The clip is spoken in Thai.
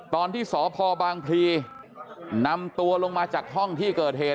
ตอนที่สพบางพลีนำตัวลงมาจากห้องที่เกิดเหตุ